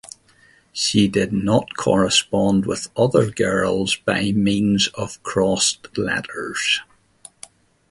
She did not correspond with other girls by means of crossed letters.